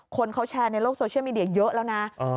คนเขาแชร์ในโลกโซเชียลมีเดียเยอะแล้วนะ